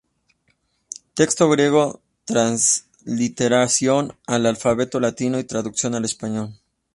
Texto griego, transliteración al alfabeto latino y traducción al español.